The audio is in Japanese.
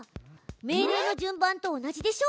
命令の順番と同じでしょ。